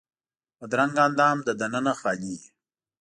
بدرنګه اندام له دننه خالي وي